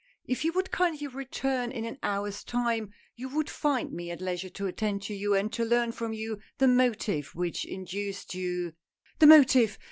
If you would kindly return in an hour's time, you would find me at leisure to attend to you, and to learn from you the motive which induced you "" The motive